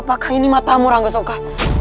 apakah ini matamu ranggasoka